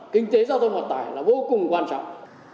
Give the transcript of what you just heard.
kinh tế giao thông vận tải là vô cùng quan trọng